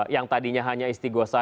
yang tadinya hanya istiqwasa